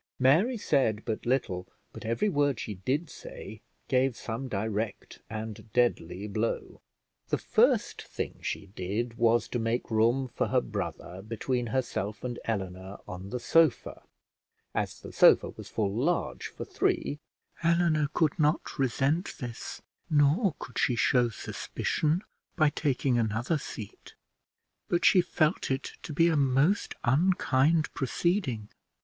Mary said but little, but every word she did say gave some direct and deadly blow. The first thing she did was to make room for her brother between herself and Eleanor on the sofa: as the sofa was full large for three, Eleanor could not resent this, nor could she show suspicion by taking another seat; but she felt it to be a most unkind proceeding.